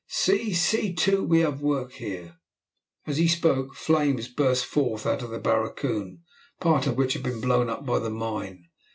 See, see, too, we have work here," As he spoke, flames burst forth out of the barracoon, part of which had been blown up by the mine.